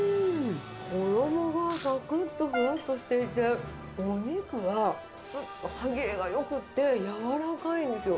衣がさくっとふわっとしていて、お肉は、すっと歯切れがよくって、柔らかいんですよ。